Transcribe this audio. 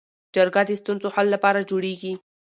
جرګه د ستونزو حل لپاره جوړیږي